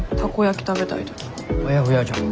あやふやじゃん。